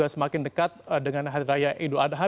semakin dekat dengan hari raya idul adha